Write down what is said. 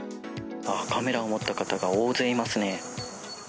カメラを持った方が大勢いますね。